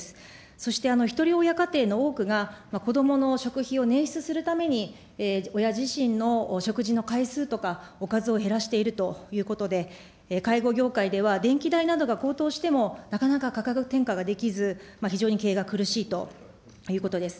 そして、ひとり親家庭の多くが、子どもの食費をねん出するために、親自身の食事の回数とか、おかずを減らしているということで、介護業界では、電気代などが高騰しても、なかなか価格転嫁ができず、非常に経営が苦しいということです。